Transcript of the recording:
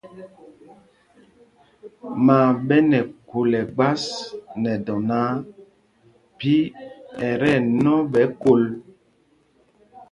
Maa ɓɛ nɛ khul ɛgbas nɛ dɔ náǎ, phī ɛ tí ɛnɔ ɓɛ kol.